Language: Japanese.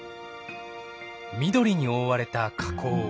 緑に覆われた火口。